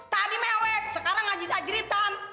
tadi mewek sekarang ngajit ajritan